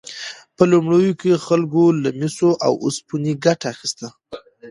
په لومړیو کې خلکو له مسو او اوسپنې ګټه اخیسته.